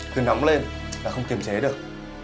cứ nóng lên là không kiềm chế được